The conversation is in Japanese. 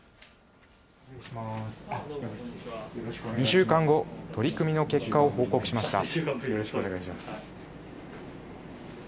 ２週間後、取り組みの結果を報告しました。